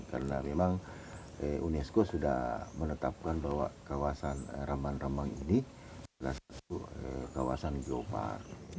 karena memang unesco sudah menetapkan bahwa kawasan rambang rambang ini adalah satu kawasan geopark